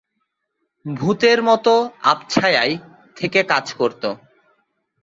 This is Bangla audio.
ভূতের মতো আবছায়ায় থেকে কাজ করত।